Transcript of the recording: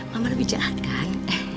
mama lebih jahat kan